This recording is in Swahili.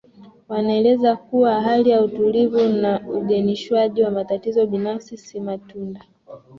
wanaeleza kuwa hali ya utulivu na ugenishwaji wa matatizo binafsi si matunda